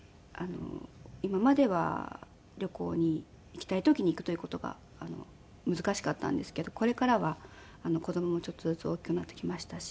今までは旅行に行きたい時に行くという事が難しかったんですけどこれからは子供もちょっとずつ大きくなってきましたし。